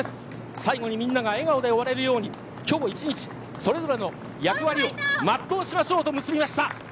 最後にみんなが笑顔で終われるように今日１日それぞれの役割を全うしましょうと結びました。